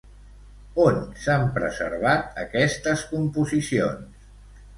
On s'han preservat, aquestes composicions?